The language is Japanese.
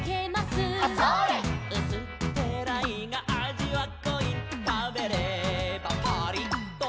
「うすっペラいがあじはこい」「たべればパリっと」